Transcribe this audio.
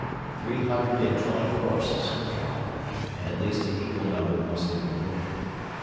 Three hundred and twenty corpses were counted, and at least an equal number must have been wounded.